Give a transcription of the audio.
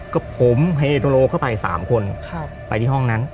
ก็ผมไฮเอโดโลเข้าไป๓คนไปที่ห้องนั้น